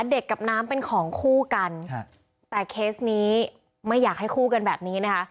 กับน้ำเป็นของคู่กันแต่เคสนี้ไม่อยากให้คู่กันแบบนี้นะคะ